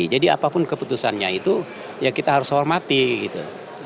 apapun keputusannya itu ya kita harus hormati gitu